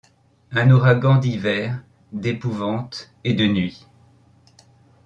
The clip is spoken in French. Un ouragan d’hiver, d’épouvante et de nuit